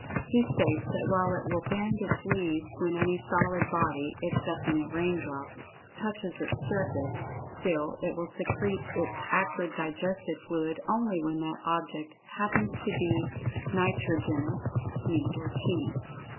He states that while it will bend its leaves when any solid body (excepting a raindrop) touches its surface, still it will secrete its acrid digestive fluid only when that object happens to be nitrogenous (meat or cheese).